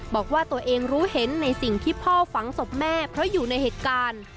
บอกว่าตัวเองรู้เห็นในสิ่งที่พ่อฝังศพแม่เพราะอยู่ในเหตุการณ์